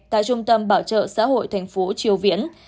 tại trung tâm bảo trợ xã hội thành phố triều viễn